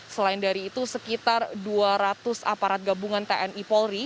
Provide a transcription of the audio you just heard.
selain dari itu sekitar dua ratus aparat gabungan tni polri